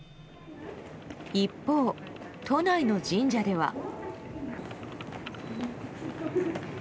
一方、都内の神社では。